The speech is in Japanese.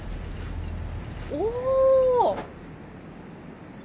お。